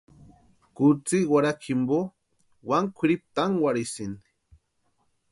Kutsï warhakwa jimpo wani kwʼiripu tánkwarhisïnti.